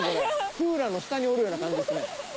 クーラーの下におるような感じですね。